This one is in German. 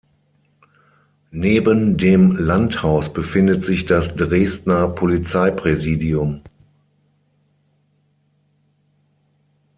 Neben dem Landhaus befindet sich das Dresdner Polizeipräsidium.